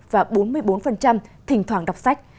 và bốn mươi bốn thỉnh thoảng đọc sách